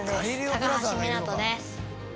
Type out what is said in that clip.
高橋湊翔です。